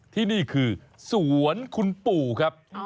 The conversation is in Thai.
ที่นี่คือสวนคุณปู่ครับ